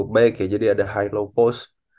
baik ya jadi ada high law post